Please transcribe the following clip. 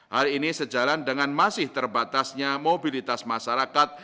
hal ini sejalan dengan masih terbatasnya mobilitas masyarakat